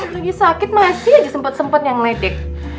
lagi sakit masih aja sempet sempet yang medik